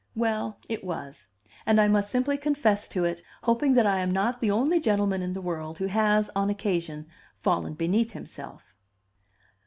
Well, it was; and I must simply confess to it, hoping that I am not the only gentleman in the world who has, on occasion, fallen beneath himself.